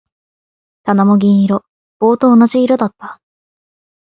棚も銀色。棒と同じ色だった。